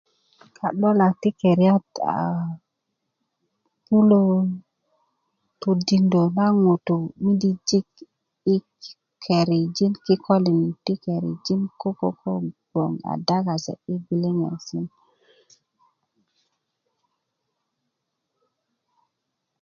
ka'dolak ti keriyat a bulö todindö na ŋutuu midijik yi ketijin kikolin ti kerijin ko koko gboŋ ada kade yi kule' ŋo'